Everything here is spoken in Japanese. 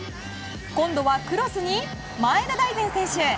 今度は、クロスに前田大然選手。